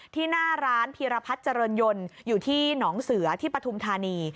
หน้าร้านพีรพัฒน์เจริญยนต์อยู่ที่หนองเสือที่ปฐุมธานี